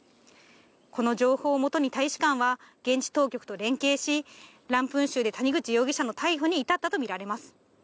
この情報をもとに大使館は、現地当局と連携し、ランプン州で谷口容疑者の逮捕に至ったと見られます。